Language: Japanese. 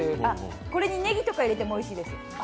これにねぎとか入れてもおいしいです。